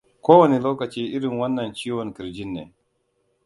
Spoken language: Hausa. ko wane lokaci irin wannan ciwon kirjin ne